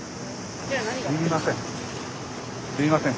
すみません。